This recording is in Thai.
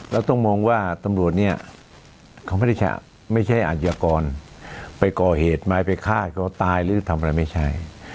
แล้วต้องมองว่าตำรวจเนี่ยเขาไม่ใช่อาชญากรไปก่อเหตุมาไปฆ่าเขาตายหรือทำอะไรไม่ใช่